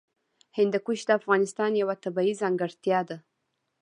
هندوکش د افغانستان یوه طبیعي ځانګړتیا ده.